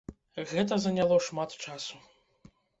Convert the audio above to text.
Гэта заняло шмат часу.